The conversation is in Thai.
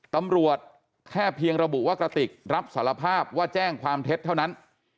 ตำรวจแค่เพียงระบุว่ากระติกรับสารภาพว่าแจ้งความเท็จเท่านั้น